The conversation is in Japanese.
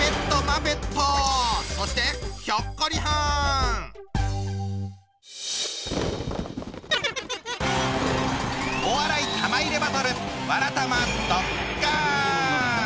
そしてお笑い玉入れバトル